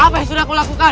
apa yang sudah aku lakukan